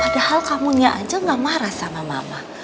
padahal kamunya aja gak marah sama mama